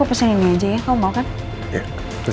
oh mas yang ini aja ya